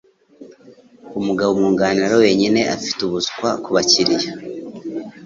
Umugabo umwunganira wenyine afite umuswa kubakiriya.